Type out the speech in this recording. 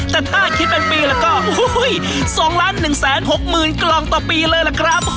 แต่ถ้าคิดเป็นปีแล้วก็๒๑๖๐๐๐กล่องต่อปีเลยล่ะครับ